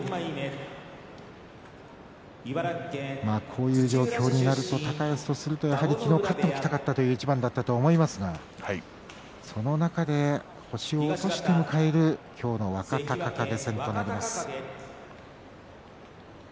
こういう状況になると高安は昨日勝っておきたかった一番だと思いますがその中で星を落として迎える今日の若隆景戦となります。